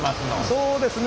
そうですね